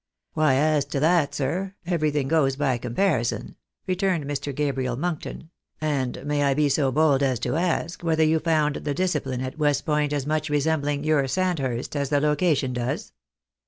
" ^Vhy, as to that, sir, everything goes by comparison," returned Mr. Gabriel Monkton ;" and may I be so bold as to ask whether you found the discipline at West Point as much resembling your Sandhurst as the location does